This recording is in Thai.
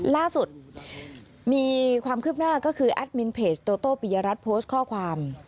ล่าสุดมีความคืบหน้าก็คือแอดมินเพจโตโต้ปิยรัฐโพสต์ข้อความ